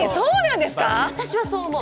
私はそう思う。